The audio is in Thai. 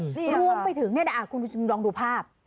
รวมไปถึงคุณลองดูภาพ